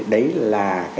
đấy là cái